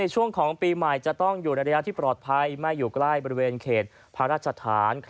ช่วงของปีใหม่จะต้องอยู่ในระยะที่ปลอดภัยไม่อยู่ใกล้บริเวณเขตพระราชฐาน